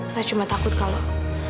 saya cuma takut kalau